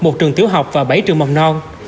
một trường tiểu học và bảy trường mầm non